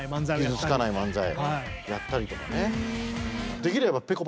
傷つかない漫才やったりとかね。